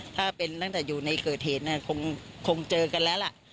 ถ้าเป็นตั้งแต่อยู่ในเกิดเหตุคงเจอกันแล้วล่ะ